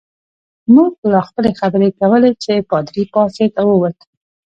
موږ لا خپلې خبرې کولې چې پادري پاڅېد او ووت.